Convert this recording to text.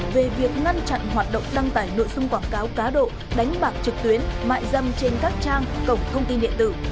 về việc ngăn chặn hoạt động đăng tải nội dung quảng cáo cá độ đánh bạc trực tuyến mại dâm trên các trang cổng thông tin điện tử